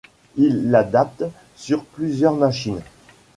Il l’adapte sur plusieurs machines.